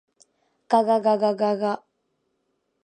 がががががが